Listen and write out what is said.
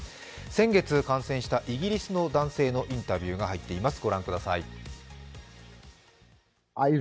先月感染したイギリスの男性のインタビューが入っています。